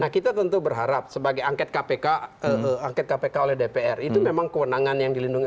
nah kita tentu berharap sebagai angket kpk oleh dpr itu memang kewenangan yang dilindungi